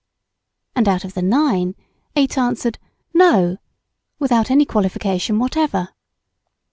And out of the nine, eight answered "No!" without any qualification whatever.